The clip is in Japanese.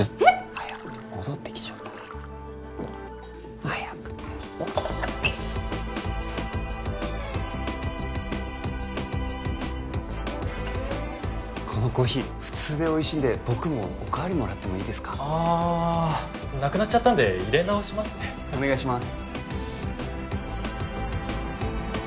早く戻ってきちゃう早く早くこのコーヒー普通でおいしいんで僕もおかわりもらっていいですかああなくなっちゃったんでいれ直しますねお願いします